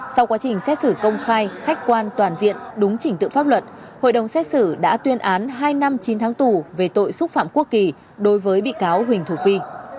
sau quá trình xét xử công khai khách quan toàn diện đúng chỉnh tự pháp luật hội đồng xét xử đã tuyên án hai năm chín tháng tù về tội xúc phạm quốc kỳ đối với bị cáo huỳnh thủ vi